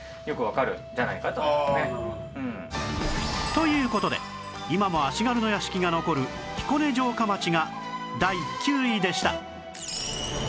という事で今も足軽の屋敷が残る彦根城下町が第９位でした